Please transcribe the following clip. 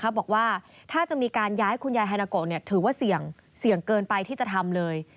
บอกว่าถ้าจะมีการย้ายคุณยายฮานาโกถือว่าเสี่ยงเกินไปที่จะทำเลย